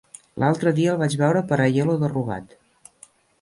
L'altre dia el vaig veure per Aielo de Rugat.